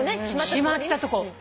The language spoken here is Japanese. しまったとこ。